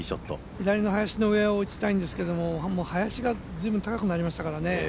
左の林の上を打ちたいんですけど林が随分高くなりましたからね